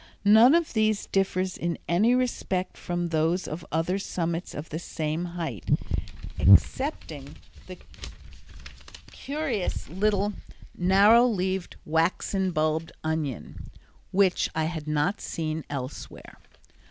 None of these differs in any respect from those of other summits of the same height, excepting the curious little narrow leaved, waxen bulbed onion, which I had not seen elsewhere.